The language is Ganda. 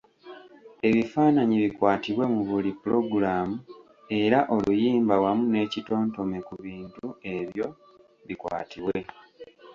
Ebifaanayi bikwatibwe mu buli pulogulaamu era oluyimba wamu n’ekitontome ku bintu ebyo bikwatibwe.